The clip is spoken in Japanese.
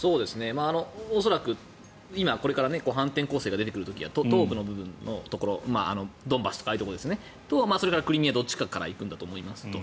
恐らく、これから反転攻勢が出てくる時には東部の部分のところドンバスとかとクリミアどっちかから行くんだと思いますと。